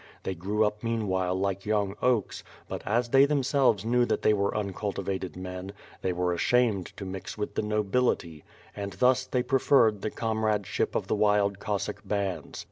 They grew up mean while like young oaks, but as they themselves knew that they were uncultivated men, they were ashamed to mix with the nobility; and thus, they preferred the comradeship of the WITH FIRE AND 8W0RD. 53 wild Cossack bands.